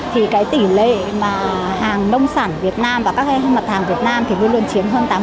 tỷ lệ hàng nông sản việt nam và các mặt hàng việt nam luôn chiếm hơn tám mươi